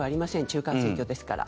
中間選挙ですから。